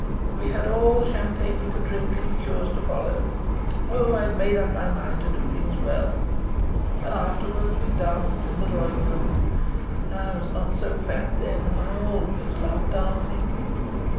We had all the champagne we could drink and liqueurs to follow. Oh, I'd made up my mind to do things well. And afterwards we danced in the drawing room. I was not so fat, then, and I always loved dancing."